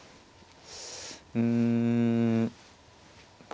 うん。